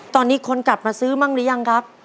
ตอนนี้คนกลับมาซื้อบ้างหรือยังครับ